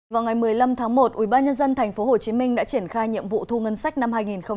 vào ngày một mươi năm tháng một ubnd tp hcm đã triển khai nhiệm vụ thu ngân sách năm hai nghìn hai mươi